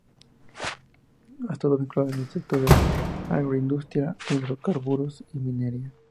Ha estado vinculado al sector de agroindustria, hidrocarburos y minería.